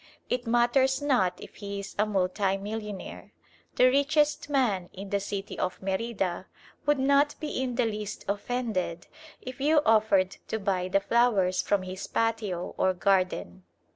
It matters not if he is a multi millionaire. The richest man in the city of Merida would not be in the least offended if you offered to buy the flowers from his patio or garden.